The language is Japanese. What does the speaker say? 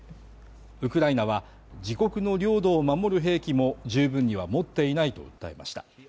ウクライナは自国の領土を守る兵器も十分には持っていないと訴えました。